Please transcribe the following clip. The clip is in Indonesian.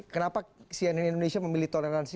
kenapa cnn indonesia memilih toleransi